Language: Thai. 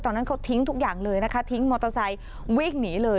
ตอนนั้นเขาทิ้งทุกอย่างเลยนะคะทิ้งมอเตอร์ไซค์วิ่งหนีเลย